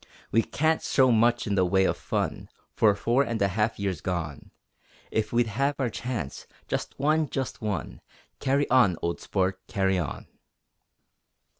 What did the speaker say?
We can't show much in the way of fun For four and a half years gone; If we'd had our chance just one! just one! Carry on, old Sport, carry on!